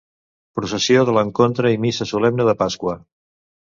Processó de l'Encontre i missa solemne de Pasqua.